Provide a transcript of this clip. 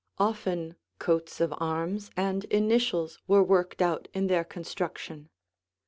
Often coats of arms and initials were worked out in their construction.